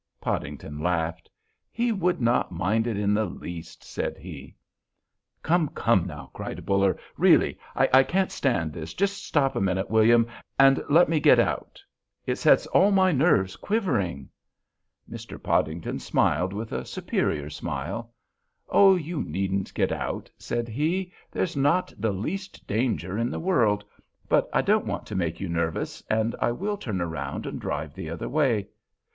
Podington laughed. "He would not mind it in the least," said he. "Come, come now," cried Buller. "Really, I can't stand this! Just stop a minute, William, and let me get out. It sets all my nerves quivering." Mr. Podington smiled with a superior smile. "Oh, you needn't get out," said he; "there's not the least danger in the world. But I don't want to make you nervous, and I will turn around and drive the other way."